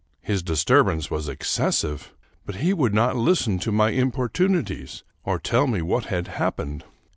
His disturbance was excessive; but he would not listen to my importunities, or tell me what had happened.